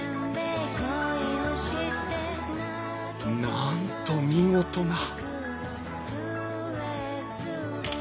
なんと見事な！